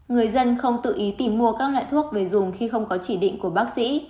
người dân không tự ý tìm mua các loại thuốc về dùng khi không có chỉ định của bác sĩ